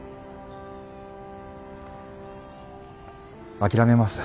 諦めます